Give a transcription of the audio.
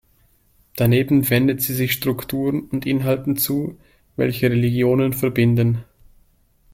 Daneben wendet sie sich Strukturen und Inhalten zu, welche Religionen verbinden.